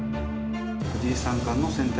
藤井三冠の先手